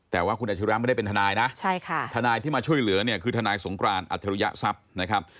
แต่ว่าคุณอาชิระไม่ได้เป็นทนายนะทนายที่มาช่วยเหลือเนี่ยคือทนายสงกรานอัจฉริยทรัพย์นะครับ